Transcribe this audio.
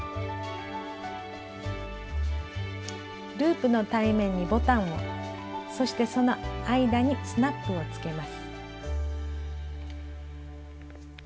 ループの対面にボタンをそしてその間にスナップをつけます。